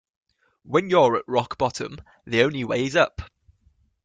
When you're at rock bottom, the only way is up.